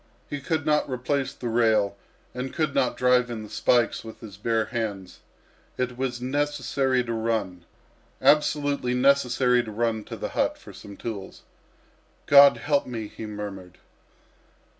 He could not replace the rail and could not drive in the spikes with his bare hands. It was necessary to run, absolutely necessary to run to the hut for some tools. "God help me!" he murmured.